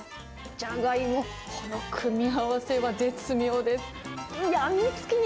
ジャガイモ、この組み合わせは絶妙です。